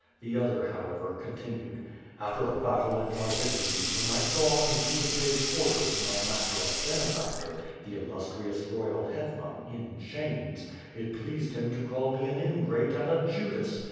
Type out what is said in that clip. The other, however, continued: "After the battle and our victory, when I saw, in Tukhay Bey's quarters, my master and benefactor, the illustrious, royal hetman, in chains, it pleased him to call me an ingrate and a Judas.